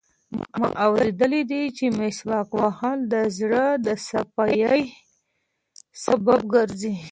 ما اورېدلي دي چې مسواک وهل د زړه د صفایي سبب ګرځي.